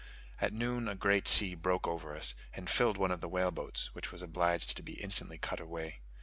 At noon a great sea broke over us, and filled one of the whale boats, which was obliged to be instantly cut away.